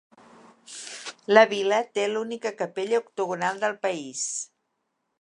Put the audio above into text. La vila té l'única capella octogonal del país.